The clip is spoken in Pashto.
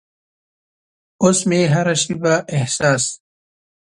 اوس مې هره شیبه احساس